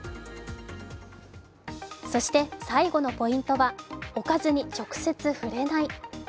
そして最後のポイントは、おかずに直接触れない。